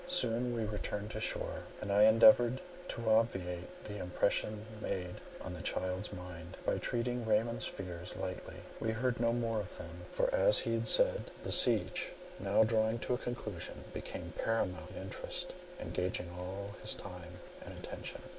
Soon we returned to shore, and I endeavoured to obviate the impression made on the child's mind, by treating Raymond's fears lightly. We heard no more of them; for, as he had said, the siege, now drawing to a conclusion, became paramount in interest, engaging all his time and attention.